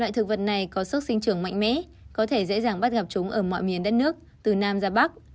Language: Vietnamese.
loại thực vật này có sức sinh trưởng mạnh mẽ có thể dễ dàng bắt gặp chúng ở mọi miền đất nước từ nam ra bắc